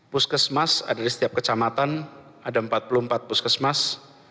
puskesmas ada di setiap kecamatan ada empat puluh empat puskesmas